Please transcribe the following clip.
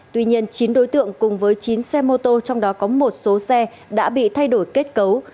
tuy nhiên chín đối tượng cùng với chín xe mô tô trong đó có một số xe đã bị thay đổi kết cấu